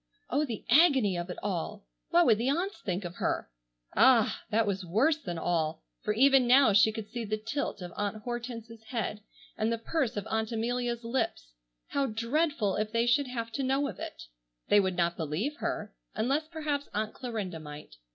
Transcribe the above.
Oh, the agony of it all! What would the aunts think of her! Ah! that was worse than all, for even now she could see the tilt of Aunt Hortense's head, and the purse of Aunt Amelia's lips. How dreadful if they should have to know of it. They would not believe her, unless perhaps Aunt Clarinda might.